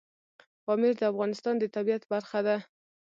پامیر د افغانستان د طبیعت برخه ده.